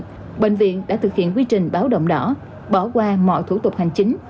trước đó bệnh viện đã thực hiện quy trình báo động đỏ bỏ qua mọi thủ tục hành chính